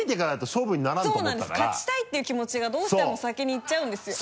そうなんです勝ちたいって気持ちがどうしても先にいっちゃうんですよ。